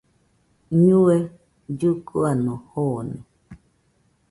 ñue llɨkɨano joone